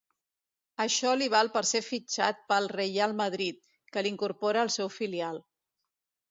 Això li val ser fitxat pel Reial Madrid, que l'incorpora al seu filial.